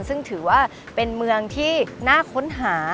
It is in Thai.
ซึ่งถือว่าเป็นเมืองที่น่าค้นหา